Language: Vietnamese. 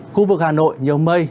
khu vực hà nội nhiều mây